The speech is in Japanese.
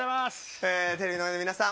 テレビの前の皆さん